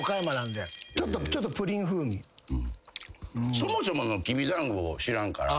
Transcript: そもそものきびだんごを知らんから。